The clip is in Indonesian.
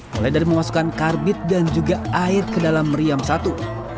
mulai dari memasukkan karbit dan juga air ke dalam meriam satu